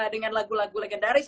dengan lagu lagu legendaris